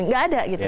gak ada gitu